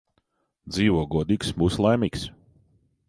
Dzīvo godīgs – būsi laimīgs